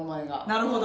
なるほど。